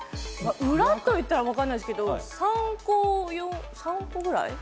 裏と言ったら分かんないですけれども、３個くらい。